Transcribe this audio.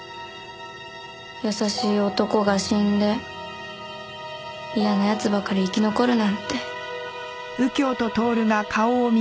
優しい男が死んで嫌な奴ばかり生き残るなんて。